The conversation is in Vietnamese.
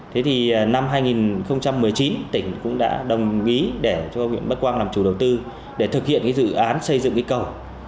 thế thì năm hai nghìn một mươi chín tỉnh cũng đã đồng ý để cho huyện bắc quang làm chủ đầu tư để thực hiện cái dự án xây dựng cái cầu